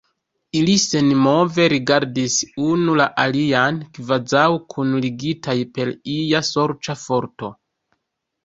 Ili senmove rigardis unu la alian, kvazaŭ kunligitaj per ia sorĉa forto.